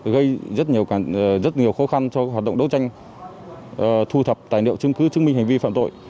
gây rất nhiều rất nhiều khó khăn cho hoạt động đấu tranh thu thập tài liệu chứng cứ chứng minh hành vi phạm tội